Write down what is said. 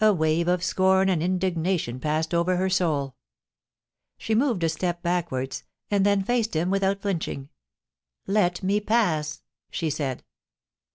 A wave of scorn and indignation passed over her souL She moved a step back wards, and then faced him without flinching. * Let me pass,' she said.